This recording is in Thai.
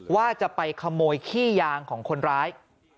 ว่าจะไปขโมยขี้ยางของคนร้าย